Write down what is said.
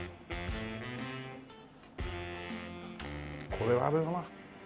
これはあれかな？